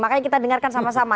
makanya kita dengarkan sama sama